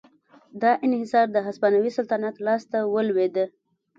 دا انحصار د هسپانوي سلطنت لاس ته ولوېد.